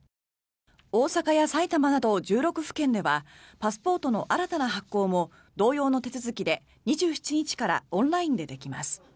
大阪や埼玉など１６府県ではパスポートの新たな発行も同様の手続きで２７日からオンラインでできます。